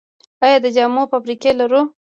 آیا د جامو فابریکې لرو؟